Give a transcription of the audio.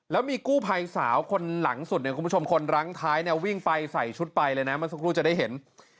แล้วมีกู้ภัยสาวคนหลังสุดเนี่ยคุณผู้ชมคนรั้งท้ายเนี่ยวิ่งไปใส่ชุดไปเลยนะเมื่อสักครู่จะได้เห็น